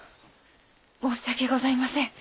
申し訳ございません。